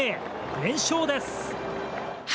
連勝です。